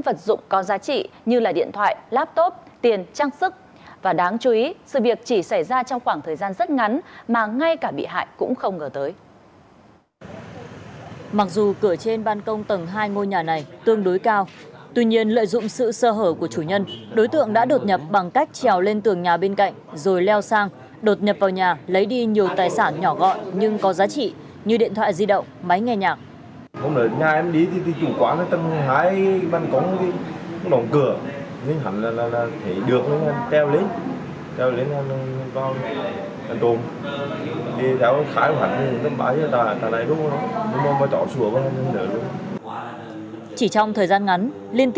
mà có thể có thể có thể có thể có thể có thể có thể có thể có thể có thể có thể có thể có thể có thể có thể có thể có thể